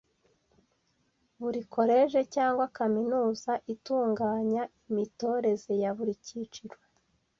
Buri koleje cyangwa kaminuza, itunganya imitoreze ya buri kiciro